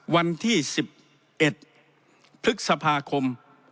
วันที่๑๑พฤษภาคม